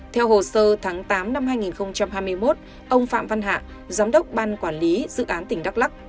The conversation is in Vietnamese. theo hồ sơ tháng tám năm hai nghìn hai mươi một ông phạm văn hạ giám đốc ban quản lý dự án tỉnh đắk lắc